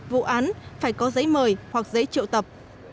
vụ án phải có giấy mời hoặc giấy triệu tập